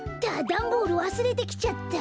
ダンボールわすれてきちゃった。